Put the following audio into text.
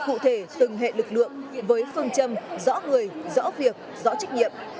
cụ thể từng hệ lực lượng với phương châm rõ người rõ việc rõ trách nhiệm